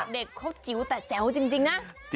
เด็กครบจิ๊วแต่แจวจริงนะ